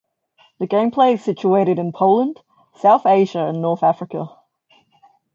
The Gameplay is situated in Poland, South Asia and North Africa.